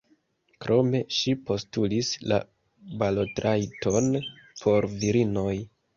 Krome ŝi postulis la balotrajton por virinoj.